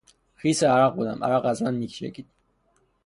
خیس عرق بودم، عرق از من میچکید.